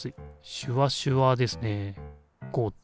シュワシュワですね。